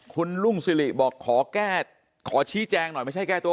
คุณลุงสิริบอกขอแก้ขอชี้แจงหน่อยไม่ใช่แก้ตัว